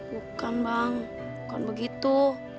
bukan bang bukan begitu